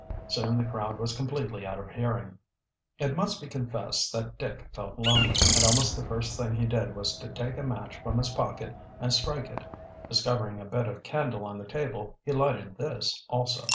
Soon the crowd was completely out of hearing. It must be confessed that Dick felt lonely, and almost the first thing he did was to take a match from his pocket and strike it. Discovering a bit of candle on the table he lighted this also.